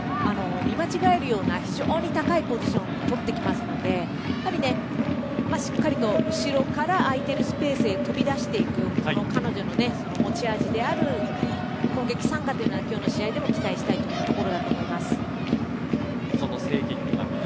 見間違えるような非常に高いポジションを取ってきますのでやっぱり、しっかりと後ろから相手のスペースへ飛び出していく彼女の持ち味である攻撃参加というような今日の試合でも期待したいと思います。